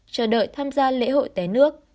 chờ đợi tham gia lễ hội té nước